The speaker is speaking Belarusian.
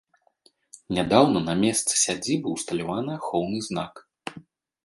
Нядаўна на месцы сядзібы ўсталяваны ахоўны знак.